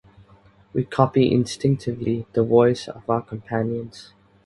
We copy instinctively the voices of our companions.